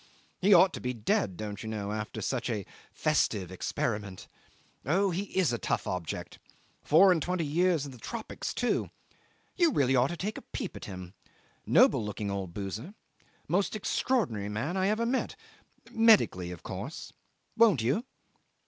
He ought to be dead, don't you know, after such a festive experiment. Oh! he is a tough object. Four and twenty years of the tropics too. You ought really to take a peep at him. Noble looking old boozer. Most extraordinary man I ever met medically, of course. Won't you?"